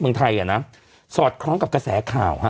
เมืองไทยอ่ะนะสอดคล้องกับกระแสข่าวฮะ